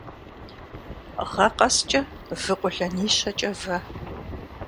Гъэ къэскӏэ вы къуэлэнищэкӏэ вэ.